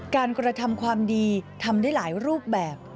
การกระทำความดีทำได้หลายรูปแบบ